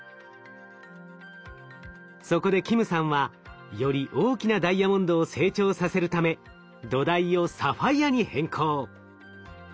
そこで金さんはより大きなダイヤモンドを成長させるため土台をサファイアに変更。